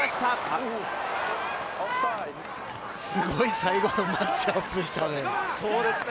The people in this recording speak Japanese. すごい最後のマッチアップでしたね。